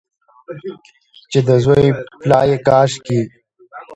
چې د زوی پلا یې کاشکي،